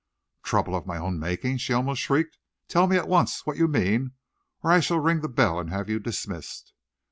"Trouble of my own making!" she almost shrieked. "Tell me at once what you mean, or I shall ring the bell and have you dismissed."